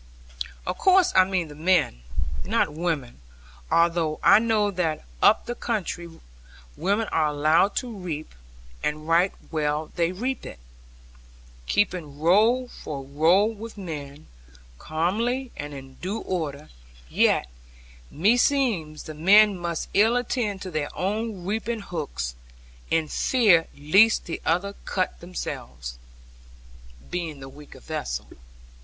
Of course I mean the men, not women; although I know that up the country, women are allowed to reap; and right well they reap it, keeping row for row with men, comely, and in due order, yet, meseems, the men must ill attend to their own reaping hooks, in fear lest the other cut themselves, being the weaker vessel.